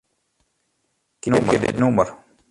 Keapje dit nûmer.